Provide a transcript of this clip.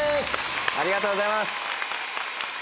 ありがとうございます。